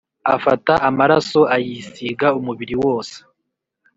Afata amaraso ayisiga umubiri wose.